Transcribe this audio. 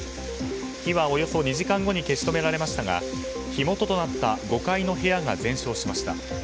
火はおよそ２時間後に消し止められましたが火元となった５階の部屋が全焼しました。